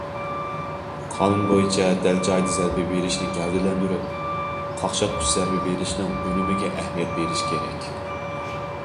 قانۇن بويىچە دەل جايىدا زەربە بېرىشنى گەۋدىلەندۈرۈپ، قاقشاتقۇچ زەربە بېرىشنىڭ ئۈنۈمىگە ئەھمىيەت بېرىش كېرەك.